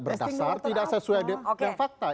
berdasar tidak sesuai dengan fakta